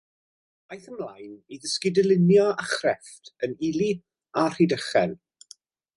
Aeth ymlaen i ddysgu dylunio a chrefft yn Ely a Rhydychen.